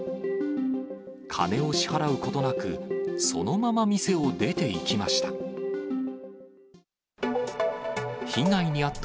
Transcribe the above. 金を支払うことなく、そのまま店を出ていきました。